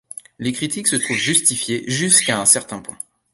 Les critiques se trouvent justifiées jusqu'à un certain point.